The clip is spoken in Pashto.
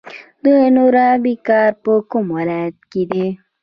د نورابې کان په کوم ولایت کې دی؟